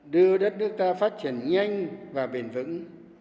đưa đất nước ta phát triển nhanh và bền vững